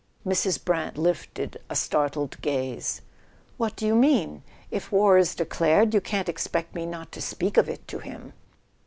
Mrs. Brant lifted a startled gaze. "What do you mean? If war is declared, you can't expect me not to speak of it to him."